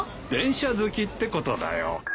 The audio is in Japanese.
電車好きってことだよ。